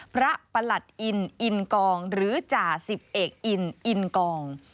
ประหลัดอินอินกองหรือจ่าสิบเอกอินอินกอง